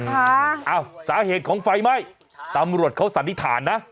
ไฟไหม้ซะก่อนนะคะอ้าวสาเหตุของไฟไหม้ตามรวจเขาสันนิษฐานนะ